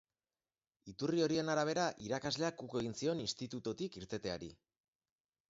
Iturri horien arabera, irakasleak uko egin zion institututik irteteari.